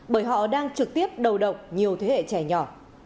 bởi họ đang trực tiếp đầu động nhiều thế hệ trẻ nhỏ